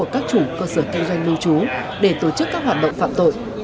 các chủ cơ sở kinh doanh lưu trú để tổ chức các hoạt động phạm tội